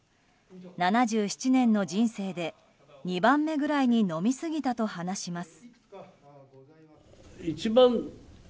７７年の人生で２番目ぐらいに飲みすぎたと話します。